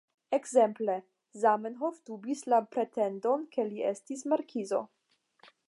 Ekzemple: "Zamenhof dubis la pretendon, ke li estis markizo.